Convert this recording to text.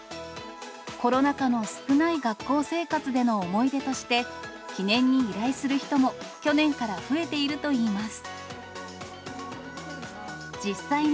コロナ禍の少ない学校生活での思い出として、記念に依頼する人も、去年から増えているといいます。